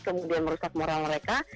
kemudian merusak moral mereka